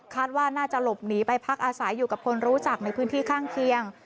ว่าน่าจะหลบหนีไปพักอาศัยอยู่กับคนรู้จักในพื้นที่ข้างเคียง